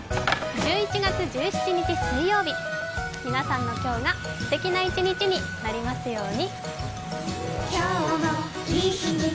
１１月１７日水曜日皆さんの今日がすてきな一日になりますように。